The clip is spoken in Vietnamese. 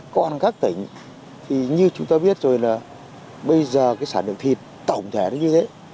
còn các tỉnh như chúng ta biết rồi bây giờ sản lượng thịt tổng thể như thế